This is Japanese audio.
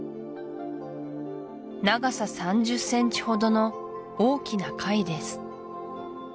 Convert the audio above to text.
長さ３０ｃｍほどの大きな貝です